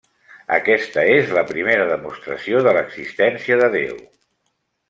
Aquesta és la primera demostració de l'existència de Déu.